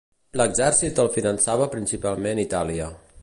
L'exèrcit el finançava principalment Itàlia.